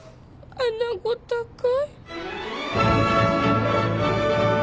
アナゴ高い。